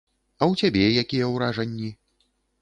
А ў цябе якія ўражанні?